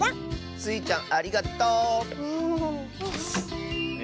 スイちゃんありがとう！え